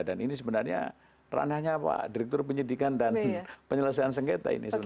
dan ini sebenarnya ranahnya apa direktur penyidikan dan penyelesaian senggeta ini sebenarnya